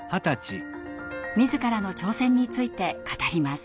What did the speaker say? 自らの挑戦について語ります。